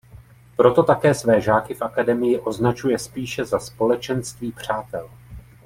Proto také své žáky v akademii označuje spíše za společenství přátel.